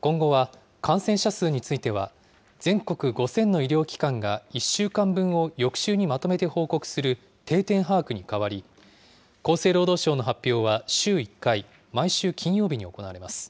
今後は感染者数については、全国５０００の医療機関が１週間分を翌週にまとめて報告する定点把握に変わり、厚生労働省の発表は週１回、毎週金曜日に行われます。